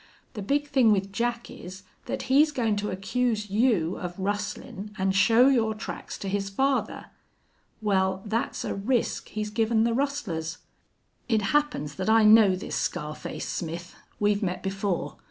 The big thing with Jack is that he's goin' to accuse you of rustlin' an' show your tracks to his father. Well, that's a risk he's given the rustlers. It happens that I know this scar face Smith. We've met before.